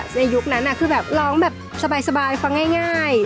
ในยุคนั้นคือแบบร้องแบบสบายฟังง่าย